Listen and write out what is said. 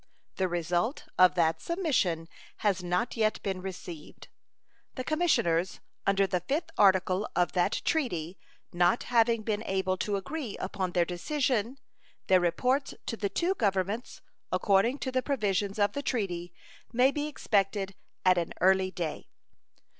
The result of that submission has not yet been received. The commissioners under the 5th article of that treaty not having been able to agree upon their decision, their reports to the two Governments, according to the provisions of the treaty, may be expected at an early day.